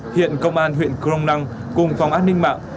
hiện công an huyện crong năng cùng phòng an ninh mạng